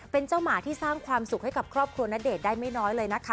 เป็นเจ้าหมาที่สร้างความสุขให้กับครอบครัวณเดชน์ได้ไม่น้อยเลยนะคะ